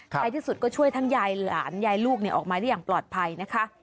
ในที่สุดก็ช่วยทั้งยายหลานยายลูกออกมาได้อย่างปลอดภัยนะคะ